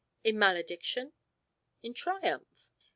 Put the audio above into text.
in malediction? in triumph?